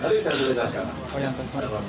oh yang terdiri dari mana